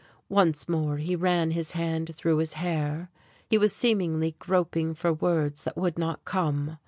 Once more he ran his hand through his hair, he was seemingly groping for words that would not come.